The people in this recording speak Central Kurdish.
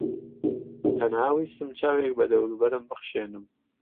تەنها ویستم چاوێک بە دەوروبەرم بخشێنم.